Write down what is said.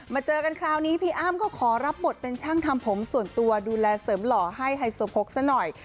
เจอกันคราวนี้พี่อ้ำก็ขอรับบทเป็นช่างทำผมส่วนตัวดูแลเสริมหล่อให้ไฮโซโพกซะหน่อย